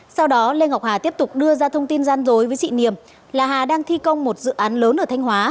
sau đó lê ngọc hà tiếp tục đưa ra thông tin gian dối với chị niềm là hà đang thi công một dự án lớn ở thanh hóa